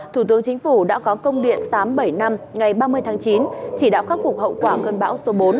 thủ tướng chính phủ đã có công điện tám trăm bảy mươi năm ngày ba mươi tháng chín chỉ đạo khắc phục hậu quả cơn bão số bốn